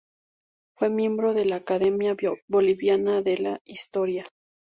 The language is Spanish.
Fue miembro de la Academia Boliviana de la Historia.